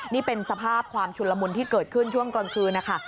นี่เป็นสภาพความชุนละมุนที่เกิดขึ้นช่วงกลางคืนนะคะ